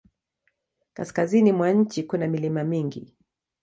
Kaskazini mwa nchi kuna milima mingi.